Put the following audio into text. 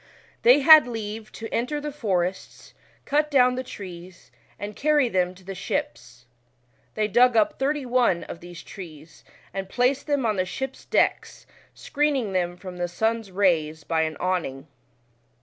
They had leave to enter the forests, cut down the trees, and carry them to the ships. They dug up thirty one of these trees, and placed them on the ships' decks, screening them from the sun's rays by an awning.